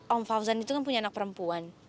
om fauzan itu kan punya anak perempuan